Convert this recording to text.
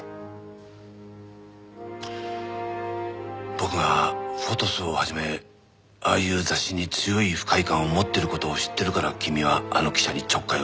僕が『フォトス』を始めああいう雑誌に強い不快感を持ってる事を知ってるから君はあの記者にちょっかいを出した。